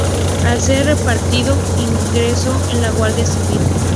Al ser repatriado ingresó en la Guardia Civil.